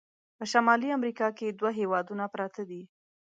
په شمالي امریکا کې دوه هیوادونه پراته دي.